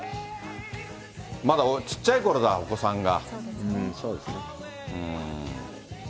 まだちっちゃいころだ、お子さんが。